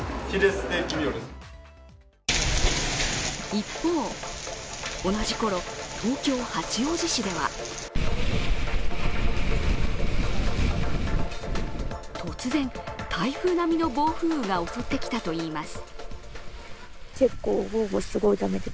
一方、同じころ、東京・八王子市では突然、台風並みの暴風雨が襲ってきたといいます。